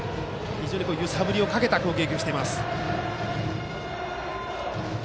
揺さぶりをかけた攻撃をしています。